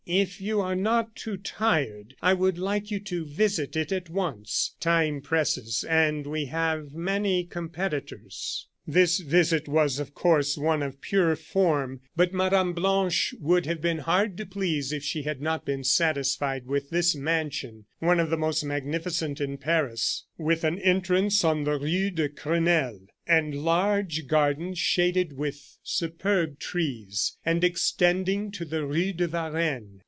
If you are not too tired, I would like you to visit it at once. Time presses, and we have many competitors." This visit was, of course, one of pure form; but Mme. Blanche would have been hard to please if she had not been satisfied with this mansion, one of the most magnificent in Paris, with an entrance on the Rue de Grenelle, and large gardens shaded with superb trees, and extending to the Rue de Varennes.